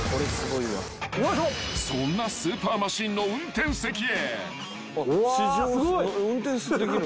［そんなスーパーマシンの運転席へ］